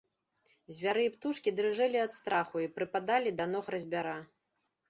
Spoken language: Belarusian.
Звяры і птушкі дрыжэлі ад страху і прыпадалі да ног разьбяра.